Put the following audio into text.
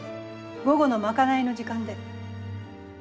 午後の賄いの時間で。